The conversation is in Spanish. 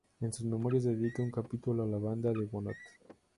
En sus memorias dedica un capítulo a la Banda de Bonnot.